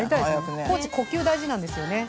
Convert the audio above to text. コーチ呼吸大事なんですよね。